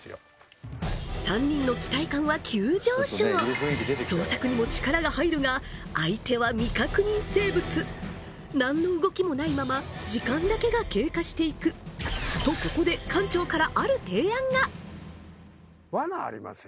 ３人の期待感は急上昇捜索にも力が入るが相手は未確認生物何の動きもないまま時間だけが経過していくとここであっワナあります？